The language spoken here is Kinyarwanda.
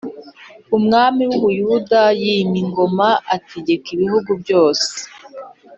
umwami w’ u Buyuda yima ingoma ategeka ibihugu byose